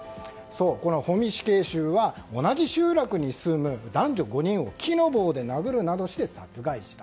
保見死刑囚は同じ集落に住む男女５人を木の棒で殴るなどして殺害した。